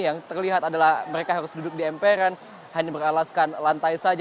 yang terlihat adalah mereka harus duduk di emperan hanya beralaskan lantai saja